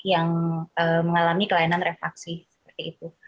yang mengalami kelainan refraksi seperti itu